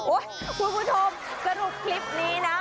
โอ๊ยคุณผู้โทษกระดูกคลิปนี้นะ